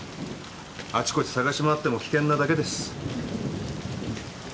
あちこち捜し回っても危険なだけです。